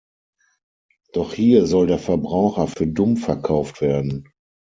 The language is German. Doch hier soll der Verbraucher für dumm verkauft werden.